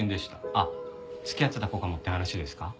あっ付き合ってた子かもって話ですか？